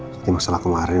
tapi masalah kemarin